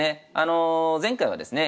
前回はですね